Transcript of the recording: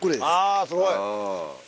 あすごい。